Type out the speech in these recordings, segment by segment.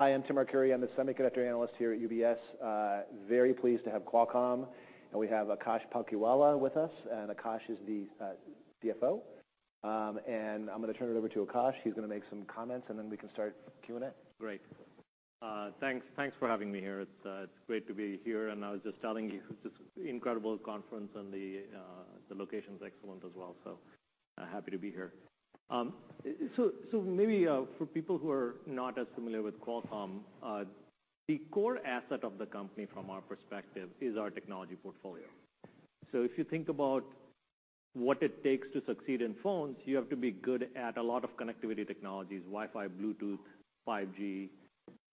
Hi, I'm Tim Arcuri. I'm the semiconductor analyst here at UBS. Very pleased to have Qualcomm, and we have Akash Palkhiwala with us, and Akash is the CFO. I'm gonna turn it over to Akash. He's gonna make some comments, and then we can start Q&A. Great. Thanks, thanks for having me here. It's, it's great to be here, and I was just telling you, just incredible conference and the, the location's excellent as well, so, happy to be here. So, so maybe, for people who are not as familiar with Qualcomm, the core asset of the company, from our perspective, is our technology portfolio. So if you think about what it takes to succeed in phones, you have to be good at a lot of connectivity technologies, Wi-Fi, Bluetooth, 5G,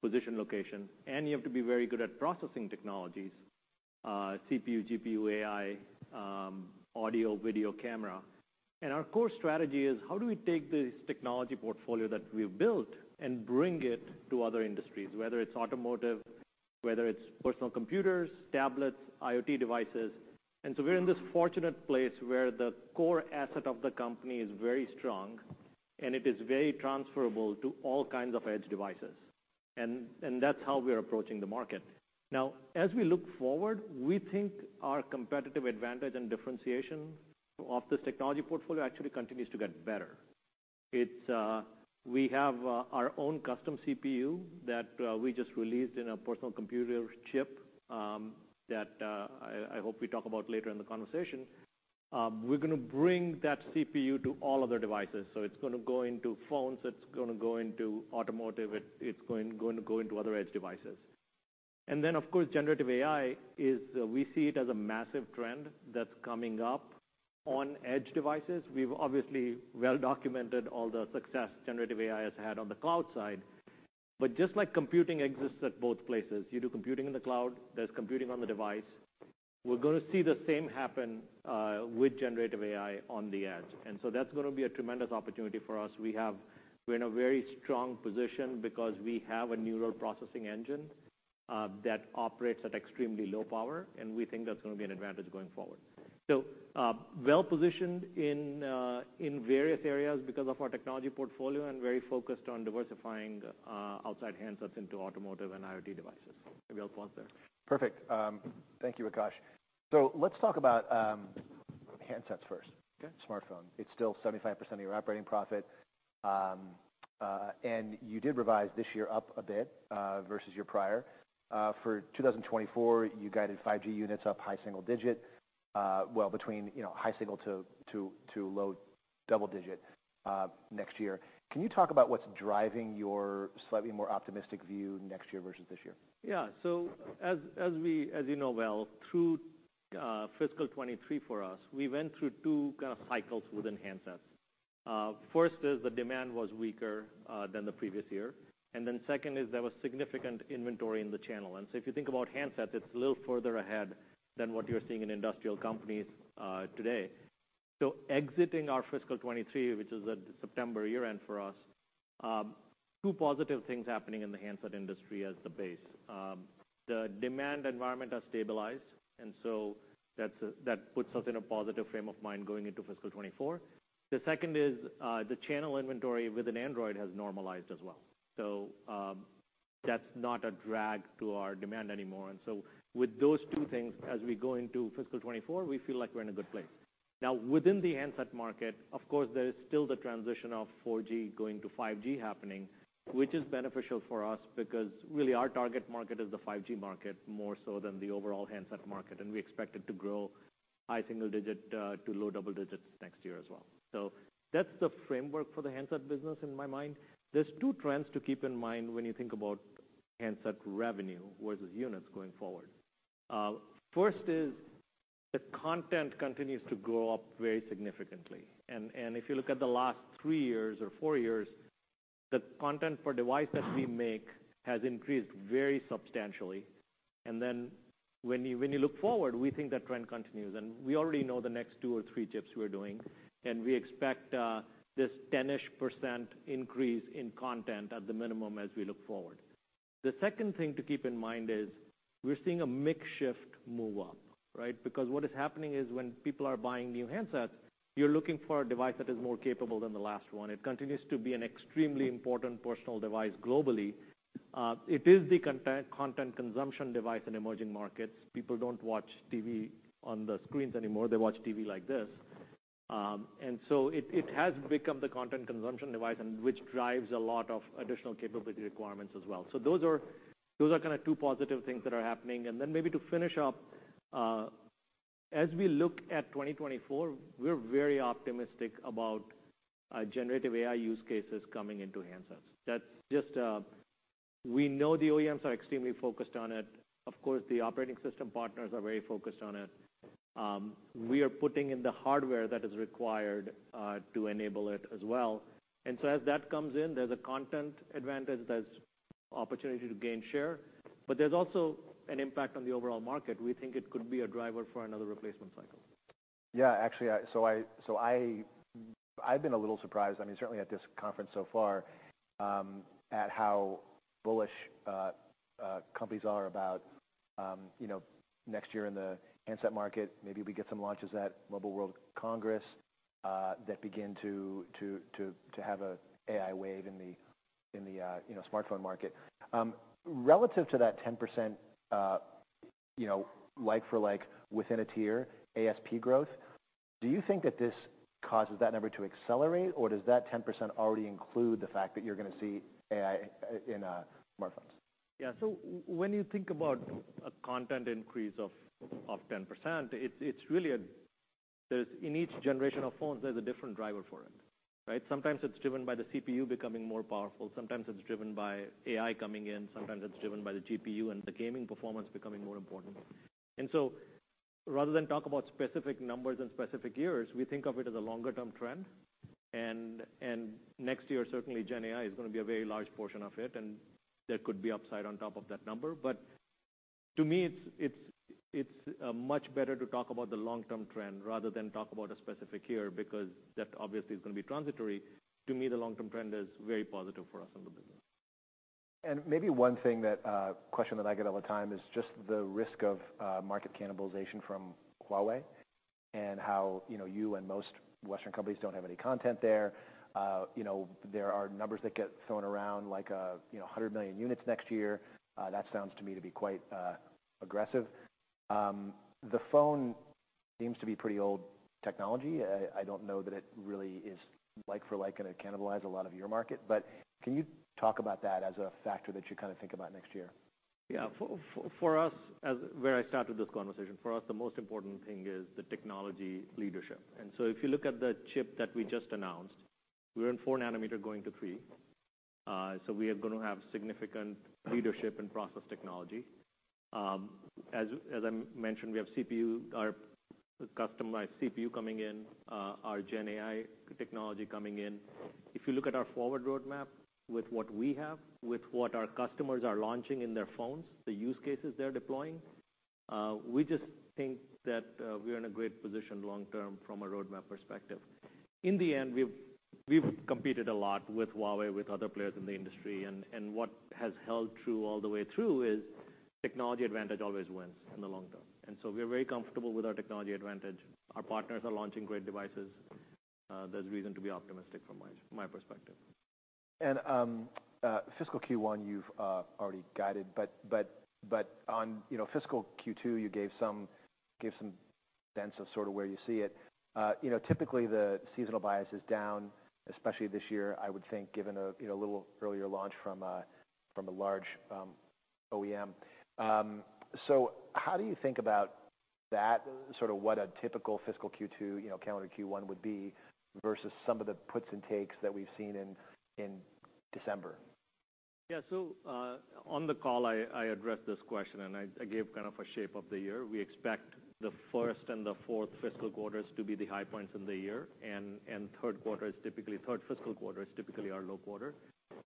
position, location, and you have to be very good at processing technologies, CPU, GPU, AI, audio, video camera. And our core strategy is: how do we take this technology portfolio that we've built and bring it to other industries, whether it's automotive, whether it's personal computers, tablets, IoT devices And so we're in this fortunate place where the core asset of the company is very strong, and it is very transferable to all kinds of edge devices. And that's how we're approaching the market. Now, as we look forward, we think our competitive advantage and differentiation of this technology portfolio actually continues to get better. It's. We have our own custom CPU that we just released in a personal computer chip that I hope we talk about later in the conversation. We're gonna bring that CPU to all other devices. So it's gonna go into phones, it's gonna go into automotive, it's going to go into other edge devices. And then, of course, Generative AI is, we see it as a massive trend that's coming up on edge devices. We've obviously well documented all the success Generative AI has had on the cloud side, but just like computing exists at both places, you do computing in the cloud, there's computing on the device, we're gonna see the same happen with Generative AI on the edge. And so that's gonna be a tremendous opportunity for us. We're in a very strong position because we have a neural processing engine that operates at extremely low power, and we think that's gonna be an advantage going forward. So, well positioned in various areas because of our technology portfolio and very focused on diversifying outside handsets into automotive and IoT devices. A real pause there. Perfect. Thank you, Akash. So let's talk about handsets first. Okay. Smartphone. It's still 75% of your operating profit. And you did revise this year up a bit, versus your prior. For 2024, you guided 5G units up high single digit, well, between, you know, high single to low double digit, next year. Can you talk about what's driving your slightly more optimistic view next year versus this year? Yeah. So as we, as you know well, through fiscal 2023 for us, we went through two kind of cycles within handsets. First is the demand was weaker than the previous year, and then second is there was significant inventory in the channel. And so if you think about handsets, it's a little further ahead than what you're seeing in industrial companies today. So exiting our fiscal 2023, which is a September year-end for us, two positive things happening in the handset industry as the base. The demand environment has stabilized, and so that's, that puts us in a positive frame of mind going into fiscal 2024. The second is, the channel inventory within Android has normalized as well, so that's not a drag to our demand anymore. And so with those two things, as we go into fiscal 2024, we feel like we're in a good place. Now, within the handset market, of course, there is still the transition of 4G going to 5G happening, which is beneficial for us because really, our target market is the 5G market, more so than the overall handset market, and we expect it to grow high single-digit to low double-digit next year as well. So that's the framework for the handset business in my mind. There's two trends to keep in mind when you think about handset revenue versus units going forward. First is, the content continues to go up very significantly. And, and if you look at the last three years or four years, the content per device that we make has increased very substantially. And then, when you look forward, we think that trend continues. And we already know the next two or three chips we're doing, and we expect this 10%-ish increase in content at the minimum as we look forward. The second thing to keep in mind is, we're seeing a mix shift move up, right? Because what is happening is, when people are buying new handsets, you're looking for a device that is more capable than the last one. It continues to be an extremely important personal device globally. It is the content consumption device in emerging markets. People don't watch TV on the screens anymore, they watch TV like this. And so it has become the content consumption device and which drives a lot of additional capability requirements as well. So those are kinda two positive things that are happening. And then maybe to finish up, as we look at 2024, we're very optimistic about Generative AI use cases coming into handsets. That's just we know the OEMs are extremely focused on it. Of course, the operating system partners are very focused on it. We are putting in the hardware that is required to enable it as well. And so as that comes in, there's a content advantage, there's opportunity to gain share, but there's also an impact on the overall market. We think it could be a driver for another replacement cycle. Yeah, actually, I've been a little surprised, I mean, certainly at this conference so far, at how bullish companies are about, you know, next year in the handset market. Maybe we get some launches at Mobile World Congress that begin to have an AI wave in the, you know, smartphone market. Relative to that 10%, you know, like for like within a tier ASP growth, do you think that this causes that number to accelerate, or does that 10% already include the fact that you're gonna see AI in smartphones? Yeah. So when you think about a content increase of 10%, it's really. There's in each generation of phones, there's a different driver for it, right? Sometimes it's driven by the CPU becoming more powerful, sometimes it's driven by AI coming in, sometimes it's driven by the GPU and the gaming performance becoming more important. And so rather than talk about specific numbers and specific years, we think of it as a longer-term trend. And next year, certainly, Gen AI is gonna be a very large portion of it, and there could be upside on top of that number. But to me, it's much better to talk about the long-term trend rather than talk about a specific year, because that obviously is gonna be transitory. To me, the long-term trend is very positive for us in the business. And maybe one thing that question that I get all the time is just the risk of market cannibalization from Huawei and how, you know, you and most Western companies don't have any content there. You know, there are numbers that get thrown around like, you know, 100 million units next year. That sounds to me to be quite aggressive. The phone seems to be pretty old technology. I don't know that it really is like for like gonna cannibalize a lot of your market, but can you talk about that as a factor that you kind of think about next year? Yeah. For us, as where I started this conversation, the most important thing is the technology leadership. So if you look at the chip that we just announced, we're in 4-nanometer going to 3. So we are gonna have significant leadership and process technology. As I mentioned, we have CPU, our customized CPU coming in, our Gen AI technology coming in. If you look at our forward roadmap with what we have, with what our customers are launching in their phones, the use cases they're deploying, we just think that we're in a great position long term from a roadmap perspective. In the end, we've competed a lot with Huawei, with other players in the industry, and what has held true all the way through is technology advantage always wins in the long term. We're very comfortable with our technology advantage. Our partners are launching great devices. There's reason to be optimistic from my perspective. Fiscal Q1, you've already guided, but on, you know, fiscal Q2, you gave some sense of sort of where you see it. You know, typically the seasonal bias is down, especially this year, I would think, given a, you know, little earlier launch from a, from a large OEM. So how do you think about that, sort of what a typical fiscal Q2, you know, calendar Q1 would be versus some of the puts and takes that we've seen in December? Yeah. So, on the call, I addressed this question and I gave kind of a shape of the year. We expect the first and the fourth fiscal quarters to be the high points in the year, and third fiscal quarter is typically our low quarter.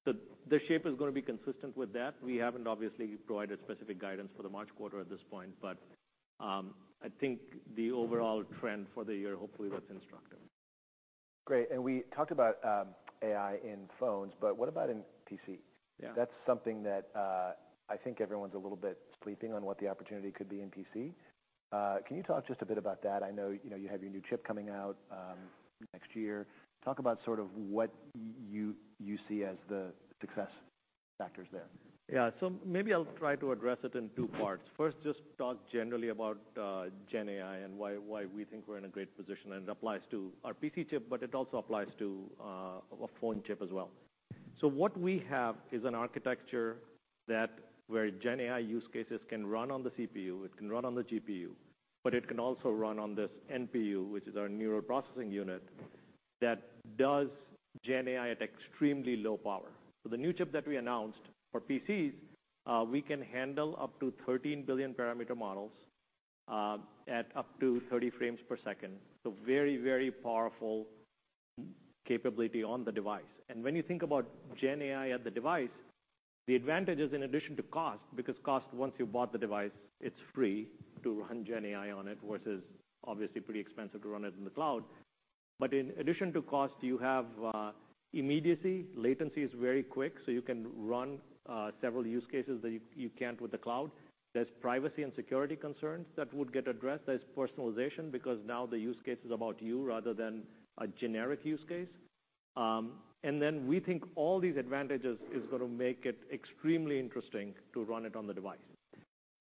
So the shape is gonna be consistent with that. We haven't obviously provided specific guidance for the March quarter at this point, but I think the overall trend for the year hopefully was instructive. Great. And we talked about AI in phones, but what about in PC? Yeah. That's something that, I think everyone's a little bit sleeping on what the opportunity could be in PC. Can you talk just a bit about that? I know, you know, you have your new chip coming out, next year. Talk about sort of what you see as the success factors there. Yeah. So maybe I'll try to address it in two parts. First, just talk generally about Gen AI and why we think we're in a great position. And it applies to our PC chip, but it also applies to a phone chip as well. So what we have is an architecture that where Gen AI use cases can run on the CPU, it can run on the GPU, but it can also run on this NPU, which is our neural processing unit, that does Gen AI at extremely low power. So the new chip that we announced for PCs, we can handle up to 13 billion parameter models at up to 30 frames per second. So very, very powerful capability on the device. When you think about Gen AI at the device, the advantage is in addition to cost, because cost, once you've bought the device, it's free to run Gen AI on it, versus obviously pretty expensive to run it in the cloud. But in addition to cost, you have immediacy. Latency is very quick, so you can run several use cases that you can't with the cloud. There's privacy and security concerns that would get addressed. There's personalization, because now the use case is about you rather than a generic use case. Then we think all these advantages is gonna make it extremely interesting to run it on the device.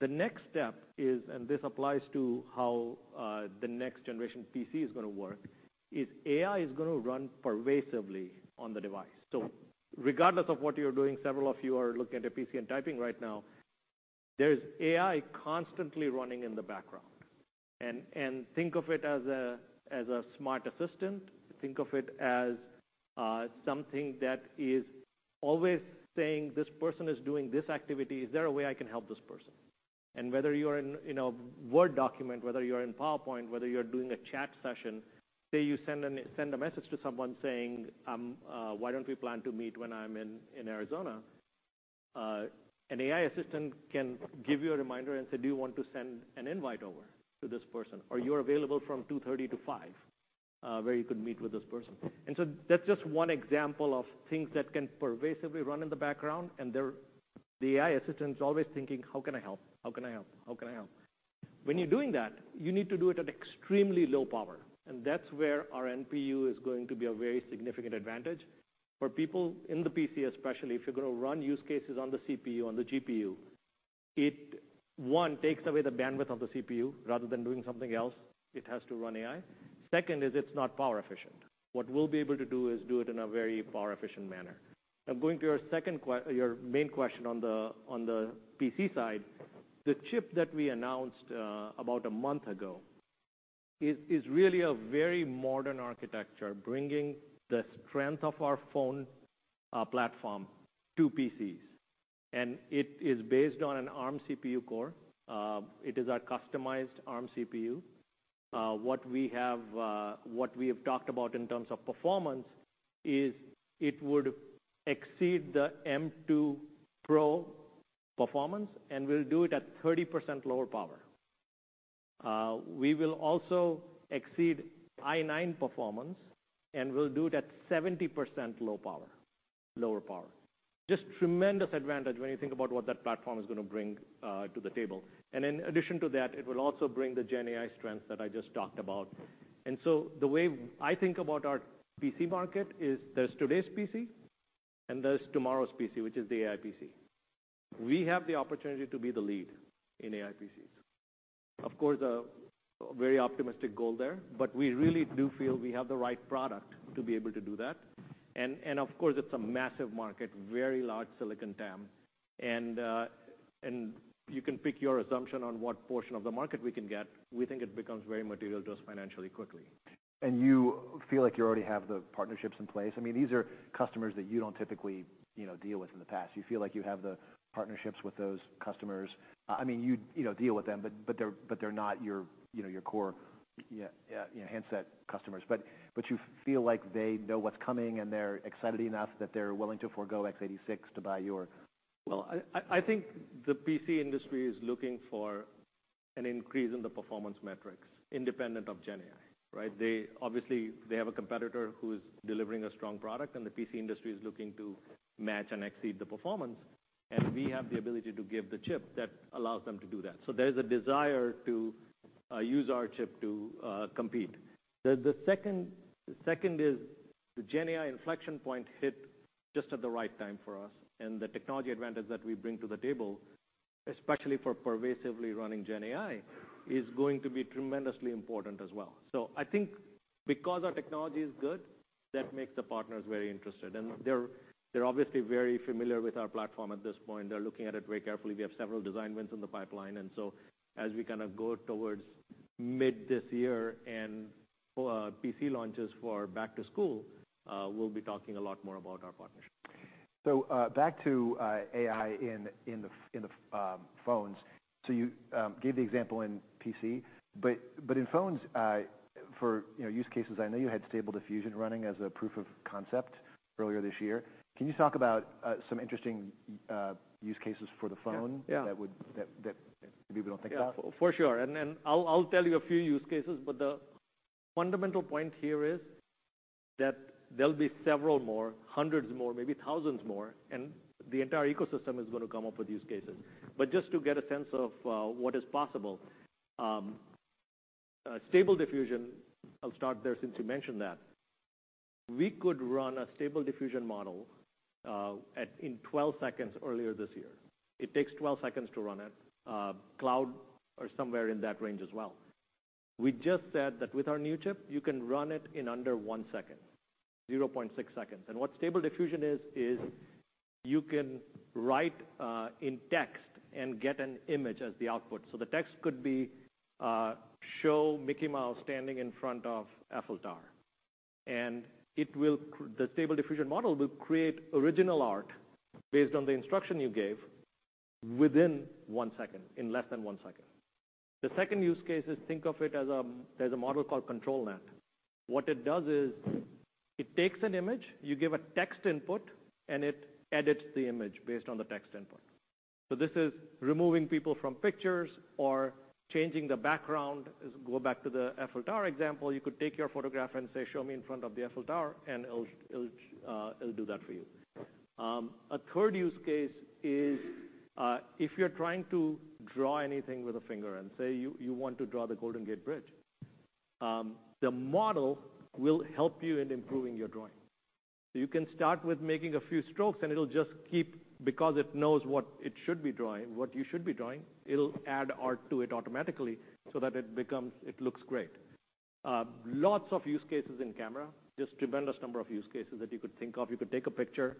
The next step is, and this applies to how the next generation PC is gonna work, is AI is gonna run pervasively on the device. So regardless of what you're doing, several of you are looking at a PC and typing right now, there's AI constantly running in the background. And think of it as a smart assistant. Think of it as something that is always saying, "This person is doing this activity. Is there a way I can help this person?" And whether you're in a Word document, whether you're in PowerPoint, whether you're doing a chat session, say, you send a message to someone saying, "Why don't we plan to meet when I'm in Arizona?" An AI assistant can give you a reminder and say, "Do you want to send an invite over to this person?" Or, "You're available from 2:30 to 5," where you could meet with this person. That's just one example of things that can pervasively run in the background. The AI assistant is always thinking, "How can I help? How can I help? How can I help?" When you're doing that, you need to do it at extremely low power, and that's where our NPU is going to be a very significant advantage. For people in the PC, especially, if you're going to run use cases on the CPU, on the GPU, it, one, takes away the bandwidth of the CPU. Rather than doing something else, it has to run AI. Second is, it's not power efficient. What we'll be able to do is do it in a very power-efficient manner. Now, going to your second question, your main question on the PC side, the chip that we announced about a month ago is really a very modern architecture, bringing the strength of our phone platform to PCs. And it is based on an ARM CPU core. It is our customized ARM CPU. What we have talked about in terms of performance is it would exceed the M2 Pro performance, and will do it at 30% lower power. We will also exceed i9 performance, and we'll do it at 70% lower power. Just tremendous advantage when you think about what that platform is gonna bring to the table. And in addition to that, it will also bring the Gen AI strength that I just talked about. So the way I think about our PC market is there's today's PC, and there's tomorrow's PC, which is the AI PC. We have the opportunity to be the lead in AI PCs. Of course, a very optimistic goal there, but we really do feel we have the right product to be able to do that. And of course, it's a massive market, very large silicon TAM, and you can pick your assumption on what portion of the market we can get. We think it becomes very material to us financially quickly. You feel like you already have the partnerships in place? I mean, these are customers that you don't typically, you know, deal with in the past. You feel like you have the partnerships with those customers? I mean, you know, deal with them, but they're not your, you know, your core, yeah, yeah, handset customers. But you feel like they know what's coming, and they're excited enough that they're willing to forego x86 to buy your- Well, I think the PC industry is looking for an increase in the performance metrics, independent of Gen AI, right? They obviously have a competitor who is delivering a strong product, and the PC industry is looking to match and exceed the performance, and we have the ability to give the chip that allows them to do that. So there is a desire to use our chip to compete. The second is the Gen AI inflection point hit just at the right time for us, and the technology advantage that we bring to the table, especially for pervasively running Gen AI, is going to be tremendously important as well. So I think because our technology is good, that makes the partners very interested, and they're obviously very familiar with our platform at this point. They're looking at it very carefully. We have several design wins in the pipeline, and so as we kind of go towards mid this year and, PC launches for back to school, we'll be talking a lot more about our partnership. So, back to AI in the phones. So you gave the example in PC, but in phones, for, you know, use cases, I know you had Stable Diffusion running as a proof of concept earlier this year. Can you talk about some interesting use cases for the phone- Yeah that people don't think about? Yeah, for sure. And then I'll tell you a few use cases, but the fundamental point here is that there'll be several more, hundreds more, maybe thousands more, and the entire ecosystem is going to come up with use cases. But just to get a sense of what is possible, Stable Diffusion, I'll start there since you mentioned that. We could run a Stable Diffusion model at in 12 seconds earlier this year. It takes 12 seconds to run it, cloud or somewhere in that range as well. We just said that with our new chip, you can run it in under 1 second, 0.6 seconds. And what Stable Diffusion is, is you can write in text and get an image as the output. The text could be, show Mickey Mouse standing in front of Eiffel Tower, and it will - the Stable Diffusion model will create original art based on the instruction you gave within 1 second, in less than 1 second. The second use case is, think of it as, there's a model called ControlNet. What it does is, it takes an image, you give a text input, and it edits the image based on the text input. So this is removing people from pictures or changing the background. Go back to the Eiffel Tower example, you could take your photograph and say, "Show me in front of the Eiffel Tower," and it'll do that for you. A third use case is, if you're trying to draw anything with a finger, and say you want to draw the Golden Gate Bridge, the model will help you in improving your drawing. So you can start with making a few strokes, and it'll just keep because it knows what it should be drawing, what you should be drawing, it'll add art to it automatically so that it becomes. It looks great. Lots of use cases in camera, just tremendous number of use cases that you could think of. You could take a picture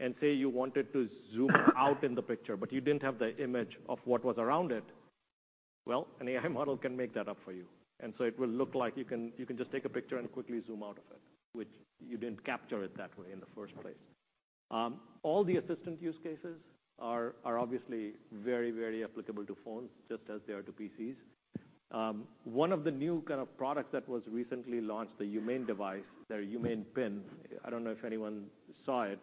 and say you wanted to zoom out in the picture, but you didn't have the image of what was around it. Well, an AI model can make that up for you. It will look like you can just take a picture and quickly zoom out of it, which you didn't capture it that way in the first place. All the assistant use cases are obviously very, very applicable to phones, just as they are to PCs. One of the new kind of products that was recently launched, the Humane device, the AI Pin. I don't know if anyone saw it,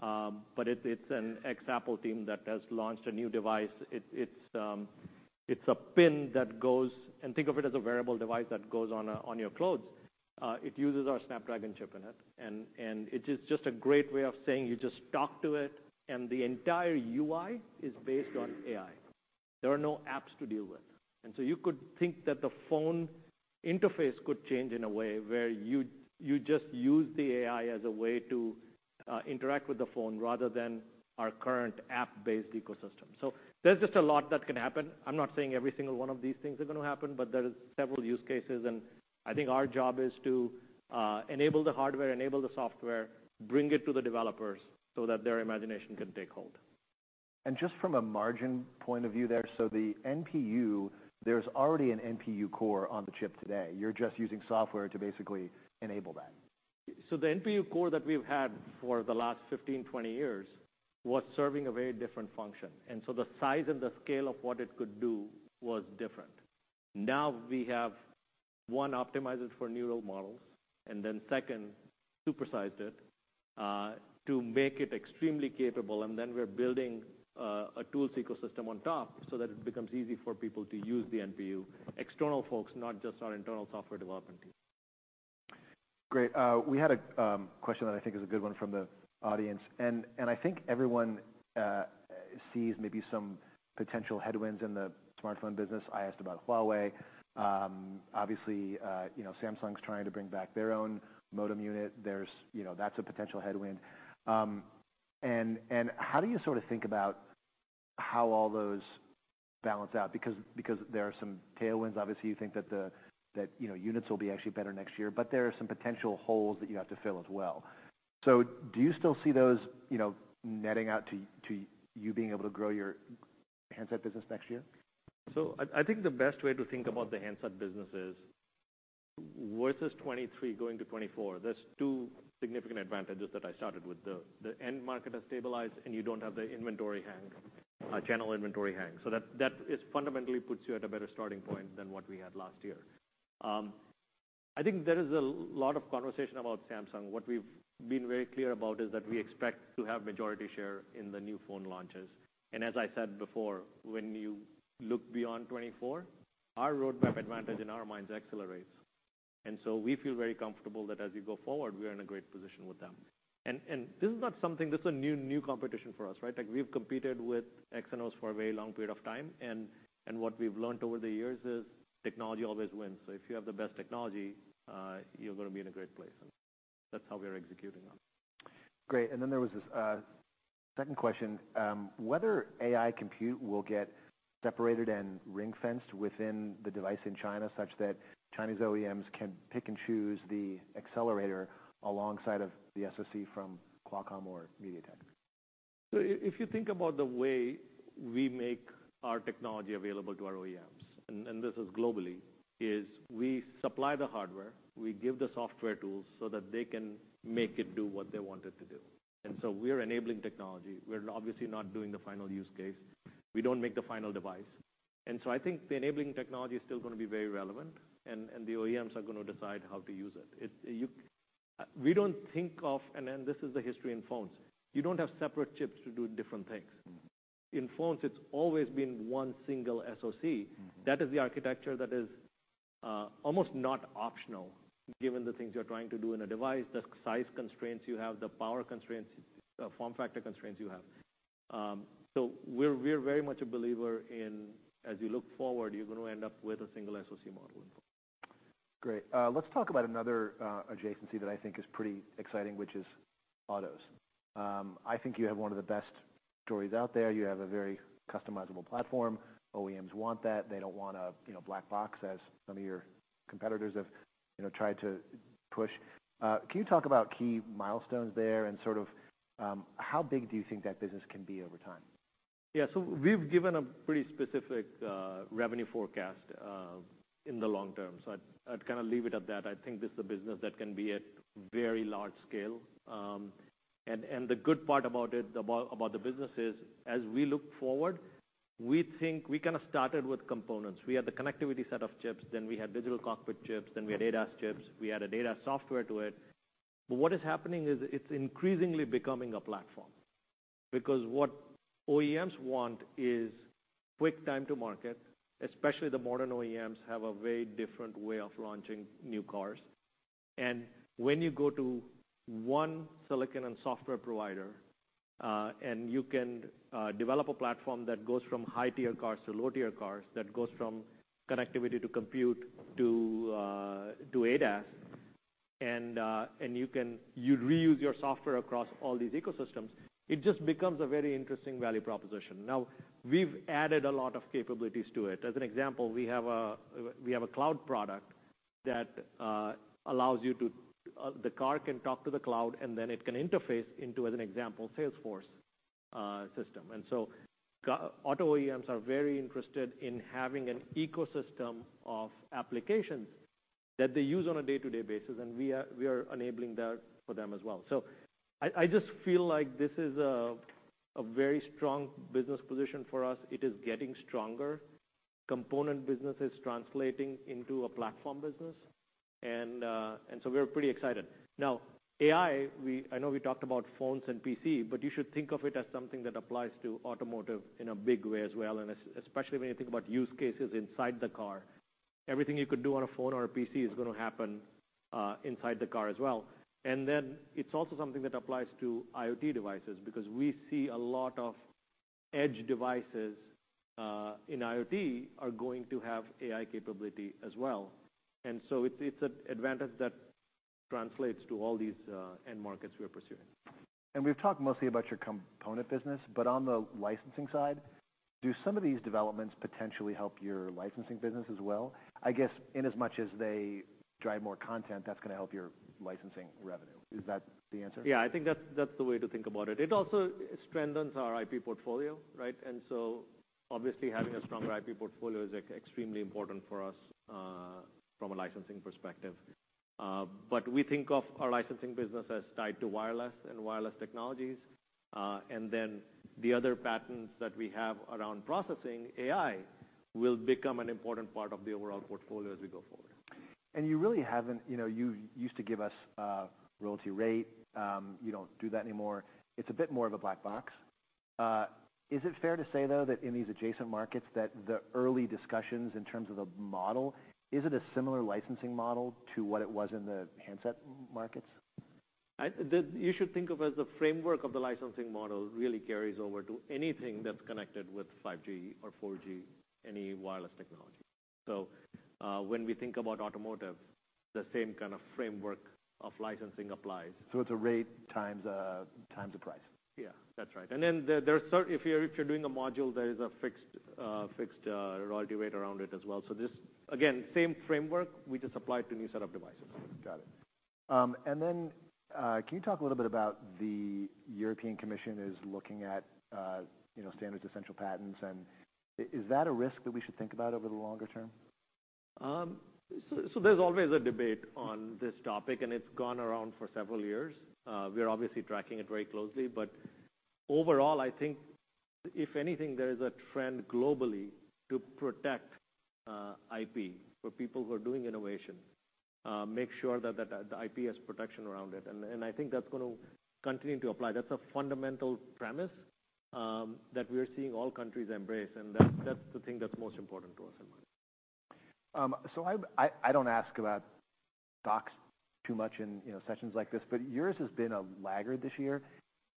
but it's an ex-Apple team that has launched a new device. It's a pin that goes on your clothes, and think of it as a wearable device that goes on your clothes. It uses our Snapdragon chip in it. And it is just a great way of saying you just talk to it, and the entire UI is based on AI. There are no apps to deal with. So you could think that the phone interface could change in a way where you, you just use the AI as a way to, interact with the phone, rather than our current app-based ecosystem. So there's just a lot that can happen. I'm not saying every single one of these things are gonna happen, but there is several use cases, and I think our job is to, enable the hardware, enable the software, bring it to the developers so that their imagination can take hold. Just from a margin point of view there, so the NPU, there's already an NPU core on the chip today. You're just using software to basically enable that? So the NPU core that we've had for the last 15, 20 years, was serving a very different function, and so the size and the scale of what it could do was different. Now we have, one, optimized it for neural models, and then second, supersized it, to make it extremely capable, and then we're building, a tools ecosystem on top so that it becomes easy for people to use the NPU, external folks, not just our internal software development team. Great. We had a question that I think is a good one from the audience, and I think everyone sees maybe some potential headwinds in the smartphone business. I asked about Huawei. Obviously, you know, Samsung's trying to bring back their own modem unit. There's, you know, that's a potential headwind. And how do you sort of think about how all those balance out? Because there are some tailwinds. Obviously, you think that you know, units will be actually better next year, but there are some potential holes that you have to fill as well. So do you still see those, you know, netting out to you being able to grow your handset business next year? So I think the best way to think about the handset business is, versus 2023 going to 2024, there's two significant advantages that I started with. The end market has stabilized, and you don't have the inventory hang, channel inventory hang. So that is fundamentally puts you at a better starting point than what we had last year. I think there is a lot of conversation about Samsung. What we've been very clear about is that we expect to have majority share in the new phone launches. And as I said before, when you look beyond 2024, our roadmap advantage, in our minds, accelerates. And so we feel very comfortable that as you go forward, we are in a great position with them. And this is not something. This is a new competition for us, right? Like, we've competed with Exynos for a very long period of time, and what we've learned over the years is technology always wins. So if you have the best technology, you're gonna be in a great place. That's how we're executing now. Great. Then there was this second question, whether AI Compute will get separated and ring-fenced within the device in China, such that Chinese OEMs can pick and choose the accelerator alongside of the SoC from Qualcomm or MediaTek? So if you think about the way we make our technology available to our OEMs, and this is globally, is we supply the hardware, we give the software tools so that they can make it do what they want it to do. And so we're enabling technology. We're obviously not doing the final use case. We don't make the final device. And so I think the enabling technology is still gonna be very relevant, and the OEMs are gonna decide how to use it. We don't think of and this is the history in phones. You don't have separate chips to do different things. Mm-hmm. In phones, it's always been one single SoC. Mm-hmm. That is the architecture that is almost not optional, given the things you're trying to do in a device, the size constraints you have, the power constraints, form factor constraints you have. So we're, we're very much a believer in, as you look forward, you're gonna end up with a single SoC model. Great. Let's talk about another adjacency that I think is pretty exciting, which is autos. I think you have one of the best stories out there. You have a very customizable platform. OEMs want that. They don't want a, you know, black box, as some of your competitors have, you know, tried to push. Can you talk about key milestones there, and sort of, how big do you think that business can be over time? Yeah. So we've given a pretty specific revenue forecast in the long term. So I'd kind of leave it at that. I think this is a business that can be at very large scale. And the good part about it, about the business is, as we look forward, we think we kind of started with components. We had the connectivity set of chips, then we had Digital Cockpit chips, then we had ADAS chips, we added ADAS software to it. But what is happening is it's increasingly becoming a platform. Because what OEMs want is quick time to market, especially the modern OEMs have a very different way of launching new cars. When you go to one silicon and software provider, and you can develop a platform that goes from high-tier cars to low-tier cars, that goes from connectivity to compute to ADAS, and you can reuse your software across all these ecosystems, it just becomes a very interesting value proposition. Now, we've added a lot of capabilities to it. As an example, we have a cloud product that allows you to—the car can talk to the cloud, and then it can interface into, as an example, Salesforce system. So auto OEMs are very interested in having an ecosystem of applications that they use on a day-to-day basis, and we are enabling that for them as well. So I just feel like this is a very strong business position for us. It is getting stronger. Component business is translating into a platform business, and so we're pretty excited. Now, AI, we—I know we talked about phones and PC, but you should think of it as something that applies to automotive in a big way as well, and especially when you think about use cases inside the car everything you could do on a phone or a PC is gonna happen inside the car as well. And then it's also something that applies to IoT devices, because we see a lot of edge devices in IoT are going to have AI capability as well. And so it's an advantage that translates to all these end markets we are pursuing. We've talked mostly about your component business, but on the licensing side, do some of these developments potentially help your licensing business as well? I guess, in as much as they drive more content, that's gonna help your licensing revenue. Is that the answer? Yeah, I think that's, that's the way to think about it. It also strengthens our IP portfolio, right? And so, obviously, having a stronger IP portfolio is extremely important for us from a licensing perspective. But we think of our licensing business as tied to wireless and wireless technologies. And then the other patents that we have around processing AI will become an important part of the overall portfolio as we go forward. You really haven't, you know, you used to give us a royalty rate, you don't do that anymore. It's a bit more of a black box. Is it fair to say, though, that in these adjacent markets, that the early discussions in terms of the model, is it a similar licensing model to what it was in the handset markets? You should think of as the framework of the licensing model really carries over to anything that's connected with 5G or 4G, any wireless technology. So, when we think about automotive, the same kind of framework of licensing applies. So it's a rate times a, times a price? Yeah, that's right. And then there are certain If you're doing a module, there is a fixed royalty rate around it as well. So this, again, same framework, we just applied to a new set of devices. Got it. And then, can you talk a little bit about the European Commission is looking at, you know, standard essential patents, and is that a risk that we should think about over the longer term? So there's always a debate on this topic, and it's gone around for several years. We are obviously tracking it very closely, but overall, I think if anything, there is a trend globally to protect IP for people who are doing innovation. Make sure that the IP has protection around it, and I think that's gonna continue to apply. That's a fundamental premise that we are seeing all countries embrace, and that's the thing that's most important to us in mind. So, I don't ask about stocks too much in, you know, sessions like this, but yours has been a laggard this year.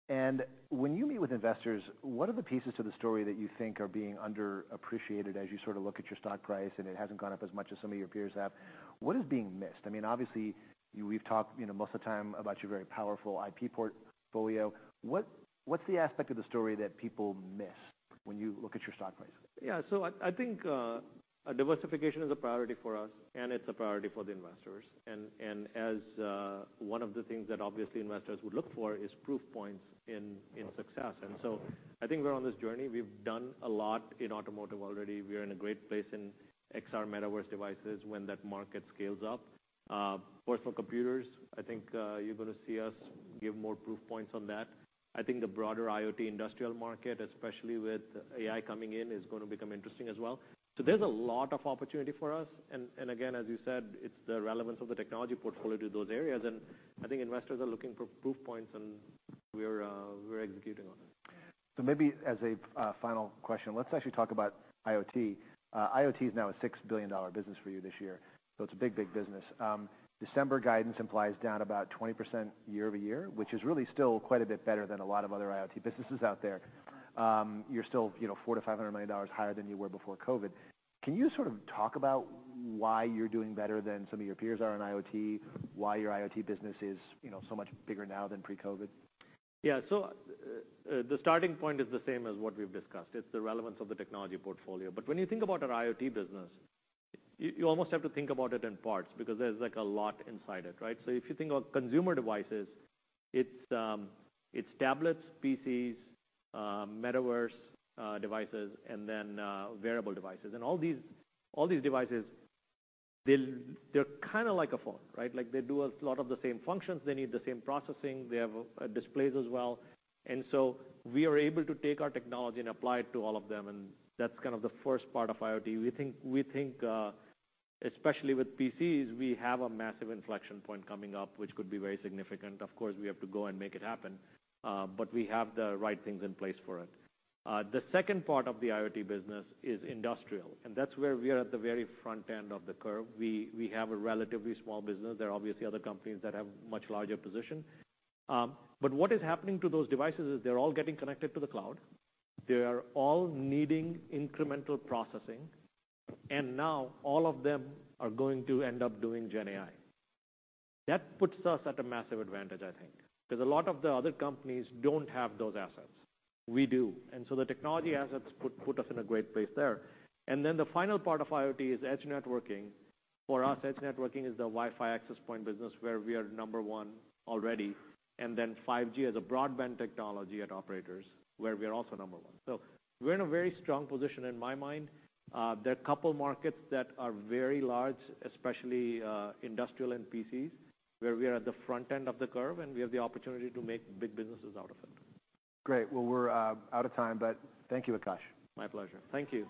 And when you meet with investors, what are the pieces to the story that you think are being underappreciated as you sort of look at your stock price, and it hasn't gone up as much as some of your peers have? What is being missed? I mean, obviously, we've talked, you know, most of the time about your very powerful IP portfolio. What's the aspect of the story that people miss when you look at your stock price? Yeah, so I, I think, diversification is a priority for us, and it's a priority for the investors. And, and as one of the things that obviously investors would look for is proof points in, in success. And so I think we're on this journey. We've done a lot in automotive already. We are in a great place in XR metaverse devices when that market scales up. Personal computers, I think, you're gonna see us give more proof points on that. I think the broader IoT industrial market, especially with AI coming in, is gonna become interesting as well. So there's a lot of opportunity for us, and, and again, as you said, it's the relevance of the technology portfolio to those areas. And I think investors are looking for proof points, and we're, we're executing on it. So maybe as a final question, let's actually talk about IoT. IoT is now a $6 billion business for you this year, so it's a big, big business. December guidance implies down about 20% year-over-year, which is really still quite a bit better than a lot of other IoT businesses out there. You're still, you know, $400 million-$500 million higher than you were before COVID. Can you sort of talk about why you're doing better than some of your peers are in IoT? Why your IoT business is, you know, so much bigger now than pre-COVID? Yeah. So, the starting point is the same as what we've discussed. It's the relevance of the technology portfolio. But when you think about our IoT business, you almost have to think about it in parts, because there's, like, a lot inside it, right? So if you think of consumer devices, it's tablets, PCs, metaverse devices, and then wearable devices. And all these, all these devices, they're kinda like a phone, right? Like, they do a lot of the same functions, they need the same processing, they have displays as well. And so we are able to take our technology and apply it to all of them, and that's kind of the first part of IoT. We think, especially with PCs, we have a massive inflection point coming up, which could be very significant. Of course, we have to go and make it happen, but we have the right things in place for it. The second part of the IoT business is industrial, and that's where we are at the very front end of the curve. We have a relatively small business. There are obviously other companies that have much larger position. But what is happening to those devices is they're all getting connected to the cloud. They are all needing incremental processing, and now all of them are going to end up doing GenAI. That puts us at a massive advantage, I think, because a lot of the other companies don't have those assets. We do. And so the technology assets put us in a great place there. And then the final part of IoT is edge networking. For us, edge networking is the Wi-Fi access point business, where we are number one already, and then 5G as a broadband technology at operators, where we are also number one. So we're in a very strong position in my mind. There are a couple markets that are very large, especially, industrial and PCs, where we are at the front end of the curve, and we have the opportunity to make big businesses out of it. Great! Well, we're out of time, but thank you, Akash. My pleasure. Thank you.